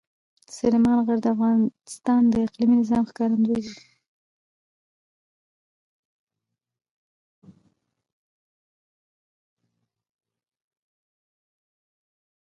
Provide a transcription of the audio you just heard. سلیمان غر د افغانستان د اقلیمي نظام ښکارندوی ده.